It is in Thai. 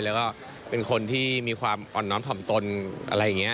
แล้วก็เป็นคนที่มีความอ่อนน้อมถ่อมตนอะไรอย่างนี้